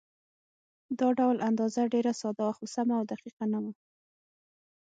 دا ډول اندازه ډېره ساده وه، خو سمه او دقیقه نه وه.